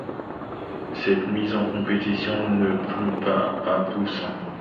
Cette mise en compétition ne plut pas à Poussin.